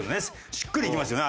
しっくりきますよね